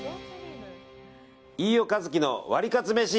飯尾和樹のワリカツめし。